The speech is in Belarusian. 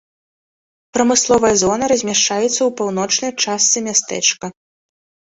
Прамысловая зона размяшчаецца ў паўночнай частцы мястэчка.